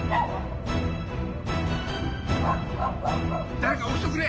・誰か起きとくれ！